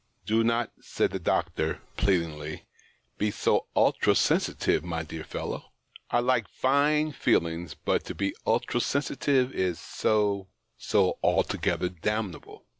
" Do not," said the doctor, pleadingly, " be THE OCTAVE OP CLAUDIUS. r.3 SO ultra sensitive, my clear fellow. I like fine feelings, but to be ultra sensitive is so— so altogether damnable.